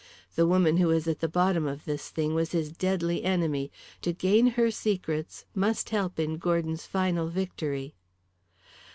The woman who was at the bottom of this thing was his deadly enemy. To gain her secrets must help in Gordon's final victory.